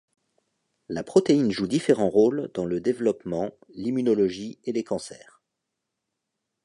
La protéine joue différents rôles dans le développement, l'immunologie et les cancers.